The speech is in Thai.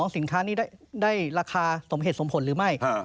สินค้านี้ได้ราคาสมเหตุสมผลหรือไม่